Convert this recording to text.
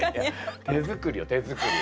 手作りよ手作り。